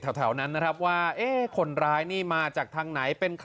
แถวนั้นนะครับว่าคนร้ายนี่มาจากทางไหนเป็นใคร